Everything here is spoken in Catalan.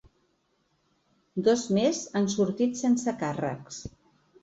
Dos més han sortit sense càrrecs.